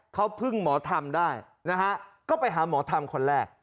เขาพึ่งหมอธรรมได้นะฮะก็ไปหาหมอธรรมคนแรก